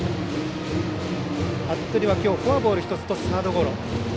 服部はフォアボール１つとサードゴロ。